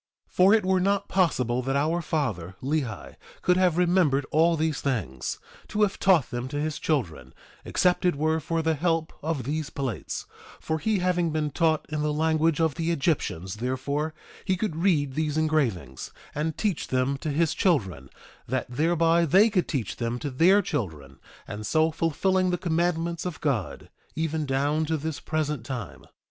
1:4 For it were not possible that our father, Lehi, could have remembered all these things, to have taught them to his children, except it were for the help of these plates; for he having been taught in the language of the Egyptians therefore he could read these engravings, and teach them to his children, that thereby they could teach them to their children, and so fulfilling the commandments of God, even down to this present time.